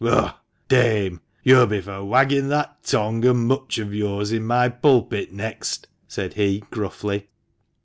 " Ugh ! dame, you'll be for wagging that tongue and mutch of yours in my pulpit next," said he, gruffly.